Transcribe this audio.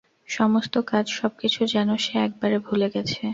সমস্ত কাজ, সবকিছু যেন সে একেবারে ভুলে গেছে।